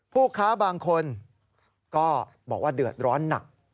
ผู้ค้าบางคนก็บอกว่าเดือดร้อนหนัก